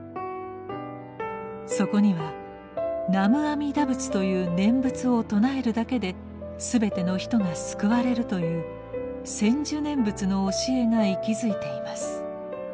そこには「南無阿弥陀仏」という念仏を称えるだけで全ての人が救われるという「専修念仏」の教えが息づいています。